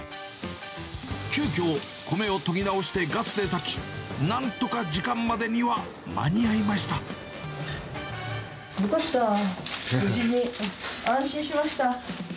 急きょ、米を研ぎ直してガスで炊き、なんとか時間までには間に合いまよかった、無事に、安心しました。